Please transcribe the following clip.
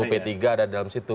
p tiga ada di dalam situ